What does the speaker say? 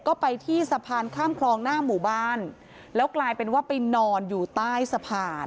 ก็ไปที่สะพานข้ามคลองหน้าหมู่บ้านแล้วกลายเป็นว่าไปนอนอยู่ใต้สะพาน